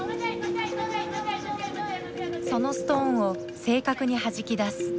そのストーンを正確にはじき出す。